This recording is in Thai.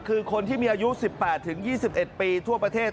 คือคนที่มีอายุ๑๘๒๑ปีทั่วประเทศ